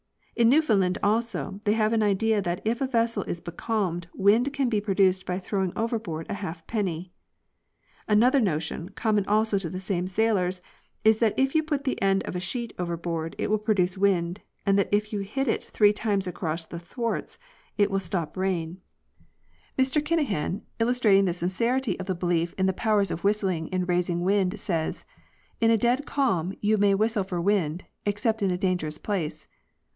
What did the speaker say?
In Newfound land, also, they have an idea that if a vessel is becalmed wind can be produced by throwing overboard a half penny. Another notion, common also to the same sailors, is that if you put the end of the sheet overboard it will produce wind, and that if you hit it three times across the thwarts it will stop the rain. Mr Methods of Wind making. 45 Kinahan, illustrating the sincerity of the belief in the power of whistling in raising wind, says: 'Ina dead calm you may whis tle for wind, except in a dangerous place.